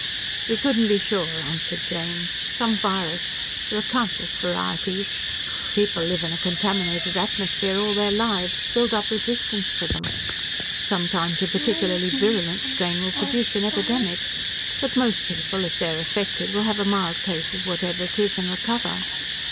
"We couldn't be sure," answered James. "Some virus. There are countless varieties. People live in a contaminated atmosphere all their lives, build up a resistance to them. Sometimes a particularly virulent strain will produce an epidemic, but most people, if they're affected, will have a mild case of whatever it is and recover.